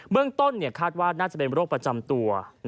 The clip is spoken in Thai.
เมืองต้นคาดว่าน่าจะเป็นโรคประจำตัว